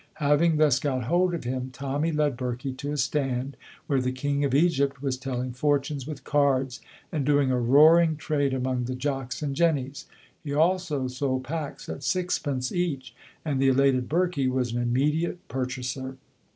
Having thus got hold of him, Tommy led Birkie to a stand where the King of Egypt was telling fortunes with cards, and doing a roaring trade among the Jocks and Jennys. He also sold packs at sixpence each, and the elated Birkie was an immediate purchaser.